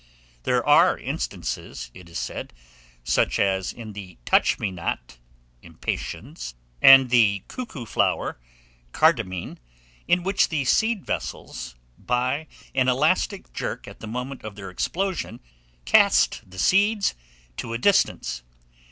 There are instances, it is said, such as in the Touch me not (impatiens), and the Cuckoo flower (cardamine), in which the seed vessels, by an elastic jerk at the moment of their explosion, cast the seeds to a distance.